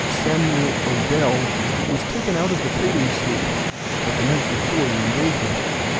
Samuel Odell, was taken out of the trading sloop but the night before the engagement.